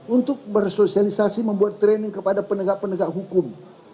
untuk bersosialisasi membuat training kepada penegak penegak hukum